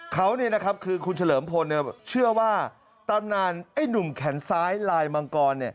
เขาคือคุณเฉลิมพลเชื่อว่าตำนานไอ้หนุ่มแขนซ้ายลายมังกร